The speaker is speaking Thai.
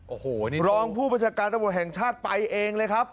โอ้โหร้องผู้บัญชาการตรวจแห่งชาติไปเองเลยครับ